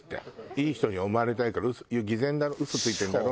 「いい人に思われたいから嘘ついてるんだろ？」